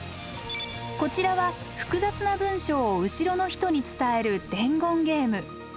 こちらは複雑な文章を後ろの人に伝える伝言ゲーム。